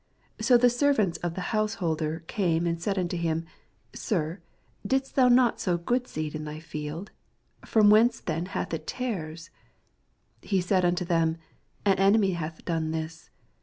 .. 27 So the servants of the household er came and said unto him, Sir, didst not thou sow good seed in thy field f f^om whence then hath it tares? 28 He said unto them, An enemy hath done this.